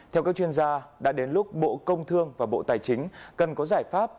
theo các chuyên gia đã đến lúc bộ công thương và bộ tài chính cần có giải pháp